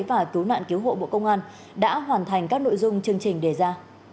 và cứu nạn cứu hộ bộ công an đã hoàn thành các nội dung chương trình đề ra